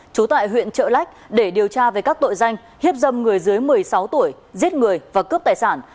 trú tại huyện trợ lách để điều tra về các tội danh hiếp dâm người dưới một mươi sáu tuổi giết người và cướp tài sản